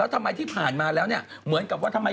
ทำไมที่ผ่านมาแล้วเนี่ยเหมือนกับว่าทำไม